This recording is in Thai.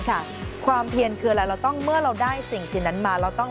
ค่ะความเพียนคืออะไรเราต้องเมื่อเราได้สิ่งสิ่งนั้นมาเราต้อง